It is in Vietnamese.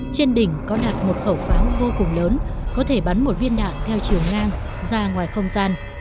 trên đỉnh có đặt một khẩu pháo vô cùng lớn có thể bắn một viên đạn theo chiều ngang ra ngoài không gian